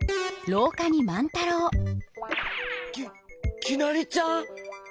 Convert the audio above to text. ききなりちゃん？